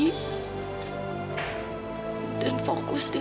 dan fokus dengan masa depanku sendiri